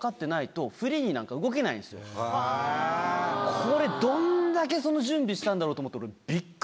これどんだけその準備したんだろうと思って本当に。